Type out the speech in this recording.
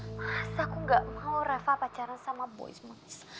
mas aku gak mau reva pacaran sama boy mas